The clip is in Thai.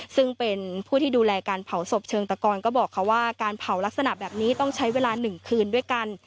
ซึ่งเป็นผู้ที่ดูแลการเผาศพเชิงตะกอนก็บอกเขาว่าการเผาลักษณะแบบนี้ต้องใช้เวลา๑คืนด้วยกัน